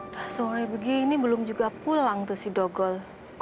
dosage begini belum juga pulang tuh si dogol